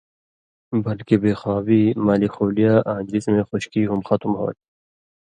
بلکہ بے خوابی، مالیخولیا آں جسمَیں خشکی ہُم ختم ہوتھی۔